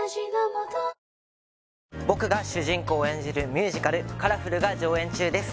僕が主人公を演じるミュージカル「カラフル」が上演中です